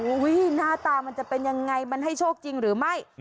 หน้าตามันจะเป็นยังไงมันให้โชคจริงหรือไม่